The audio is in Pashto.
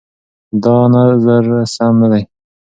دا نظر سم نه دی.